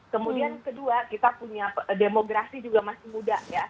kemudian kedua kita punya demografi juga masih muda ya